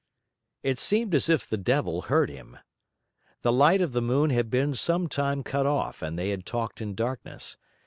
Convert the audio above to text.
It seemed as if the devil heard him. The light of the moon had been some time cut off and they had talked in darkness.